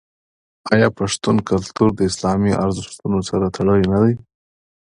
آیا پښتون کلتور د اسلامي ارزښتونو سره تړلی نه دی؟